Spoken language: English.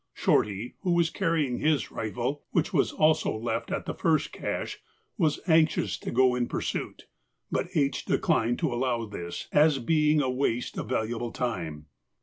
Shorty, who was carrying his rifle, which was also left at the first cache, was anxious to go in pursuit, but H. declined to allow this, as being a waste of valuable time.